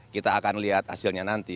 kita akan lihat hasilnya nanti